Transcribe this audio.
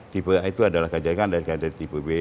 tipe a itu adalah kajati kan ada kajati tipe b